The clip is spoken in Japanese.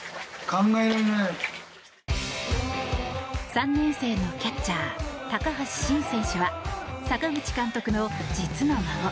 ３年生のキャッチャー高橋慎選手は阪口監督の実の孫。